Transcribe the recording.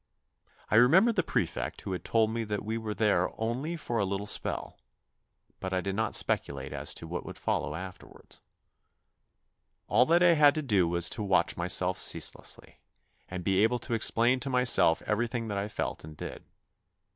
I remembered the prefect who had told me that we were there only for a little spell, but I did not speculate as to what would follow afterwards. All that I had to do was to watch myself ceaselessly, and be able to explain to myself everything that 1 felt and did.